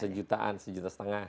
sejutaan sejuta setengah